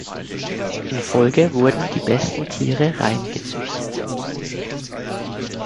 In Folge wurden die besten Tiere rein gezüchtet.